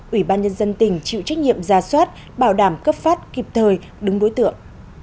ủy ban nhân dân tỉnh chịu trách nhiệm ra soát bảo đảm cấp phát kịp thời đúng đối tượng